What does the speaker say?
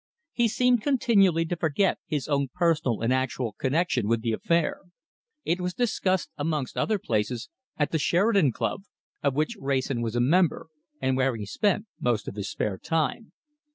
He seemed continually to forget his own personal and actual connection with the affair. It was discussed, amongst other places, at the Sheridan Club, of which Wrayson was a member, and where he spent most of his spare time.